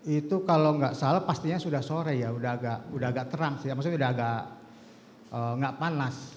itu kalau enggak salah pastinya sudah sore ya sudah agak terang sudah agak enggak panas